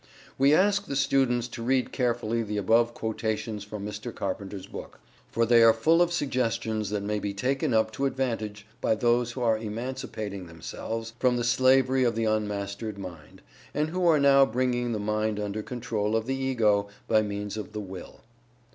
We ask the students to read carefully the above quotations from Mr. Carpenter's book, for they are full of suggestions that may be taken up to advantage by those who are emancipating themselves from their slavery to the unmastered mind, and who are now bringing the mind under control of the Ego, by means of the Will.